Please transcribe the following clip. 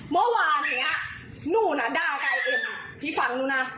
เมื่อวานเนี้ยหนูน่ะด่ากายเอ็มพี่ฟังหนูนะ